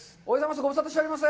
ご無沙汰しております。